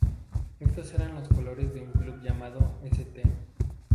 Estos eran los colores de un club llamado St.